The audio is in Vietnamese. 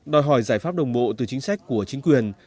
đòi hỏi giải pháp đồng bộ từ chính sách của chính quyền